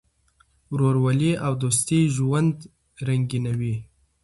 ورورولي او دوستي ژوند رنګینوي.